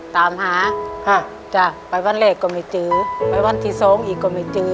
ตามหาค่ะจ้ะไปวันแรกก็ไม่เจอไปวันที่สองอีกก็ไม่เจอ